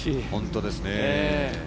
本当ですね。